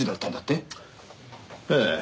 ええ。